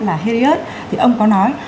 là heriot thì ông có nói